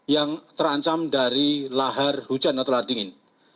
yang terancam dari lahar hujan atau lahar dingin